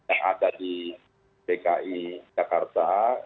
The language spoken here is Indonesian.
yang ada di dki jakarta